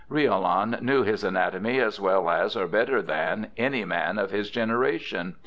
Riolan knew his anatomy as well as, or better than, any man of his generation.